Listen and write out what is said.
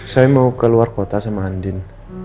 saya mau ke luar kota sama andin